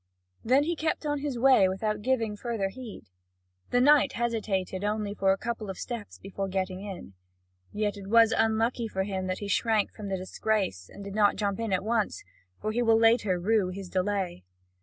Then he kept on his way without giving further heed. The knight hesitated only for a couple of steps before getting in. Yet, it was unlucky for him that he shrank from the disgrace, and did not jump in at once; for he will later rue his delay.